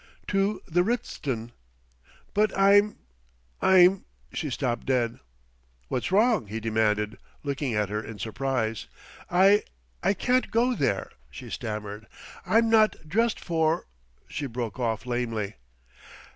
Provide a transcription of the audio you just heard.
"To the Ritzton." "But I'm I'm " she stopped dead. "What's wrong?" he demanded, looking at her in surprise. "I I can't go there," she stammered. "I'm not dressed for " She broke off lamely.